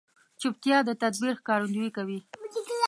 چوپتیا، د تدبیر ښکارندویي کوي.